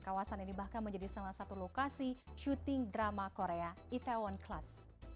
kawasan ini bahkan menjadi salah satu lokasi syuting drama korea itaewon class